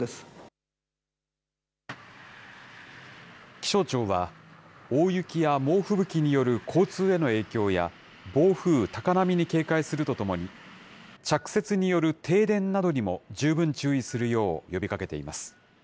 気象庁は、大雪や猛吹雪によるこうつうへのえいきょうや暴風、高波に警戒するとともに、着雪による停電などにも十分注意するよう呼びかけています。